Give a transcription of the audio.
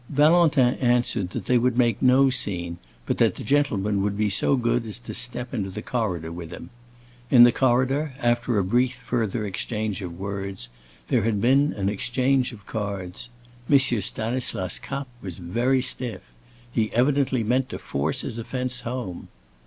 Valentin answered that they would make no scene, but that the gentleman would be so good as to step into the corridor with him. In the corridor, after a brief further exchange of words, there had been an exchange of cards. M. Stanislas Kapp was very stiff. He evidently meant to force his offence home.